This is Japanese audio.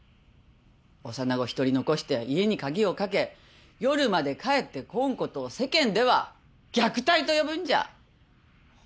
幼子一人残して家に鍵を掛け夜まで帰ってこんことを世間では虐待と呼ぶんじゃ！